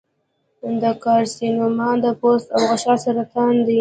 د کارسینوما د پوست او غشا سرطان دی.